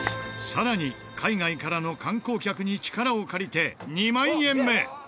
更に海外からの観光客に力を借りて２万円目！